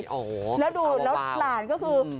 โอ้โฮกล่าวหลากกลางแล้วดูหล่านก็คือ